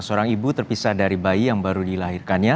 seorang ibu terpisah dari bayi yang baru dilahirkannya